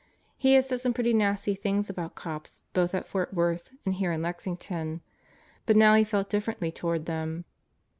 He had said some pretty nasty things about cops both at Fort Worth and here in Lexington. But now he felt differently toward them.